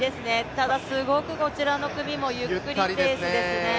ただすごくこちらの組もゆっくりペースですね。